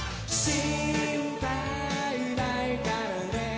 「心配ないからね」